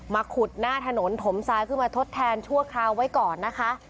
ขุดหน้าถนนถมซ้ายขึ้นมาทดแทนชั่วคราวไว้ก่อนนะคะ